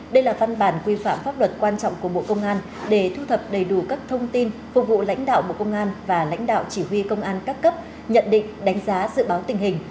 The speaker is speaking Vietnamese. đây là văn bản quy phạm pháp luật quan trọng của bộ công an để thu thập đầy đủ các thông tin phục vụ lãnh đạo bộ công an và lãnh đạo chỉ huy công an các cấp nhận định đánh giá dự báo tình hình